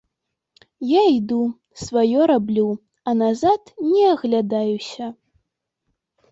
Я іду, сваё раблю, а назад не аглядаюся.